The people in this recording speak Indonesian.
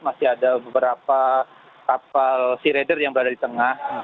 masih ada beberapa kapal sea rader yang berada di tengah